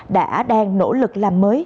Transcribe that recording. đã đang nỗ lực làm mới